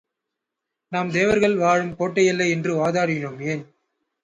நாம் தேவர்கள் வாழும் கோட்டையல்ல என்று வாதாடினோம் ஏன்?